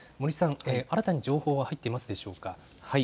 新たに情報は入っていますでしょうか。